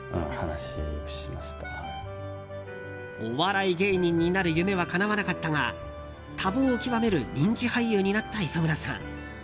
お笑い芸人になる夢はかなわなかったが多忙を極める人気俳優になった磯村さん。